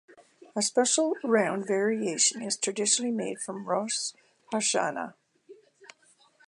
A special round variation is traditionally made for Rosh Hashanah.